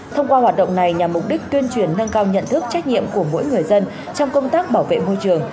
thông qua hoạt động này nhằm mục đích tuyên truyền nâng cao nhận thức trách nhiệm của mỗi người dân trong công tác bảo vệ môi trường